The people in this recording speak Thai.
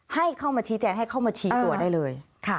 ให้เข้ามาชี้แจงให้เข้ามาชี้ตัวได้เลย